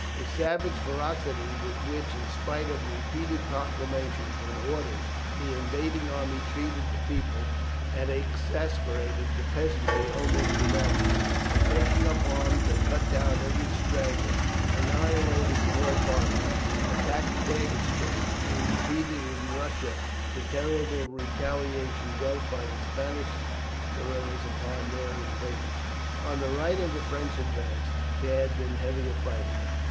The savage ferocity with which, in spite of repeated proclamations and orders, the invading army treated the people, had exasperated the peasantry almost to madness, and taking up arms, they cut down every straggler, annihilated small parties, attacked baggage trains, and repeated in Russia the terrible retaliation dealt by the Spanish guerillas upon their invaders. On the right of the French advance there had been heavier fighting.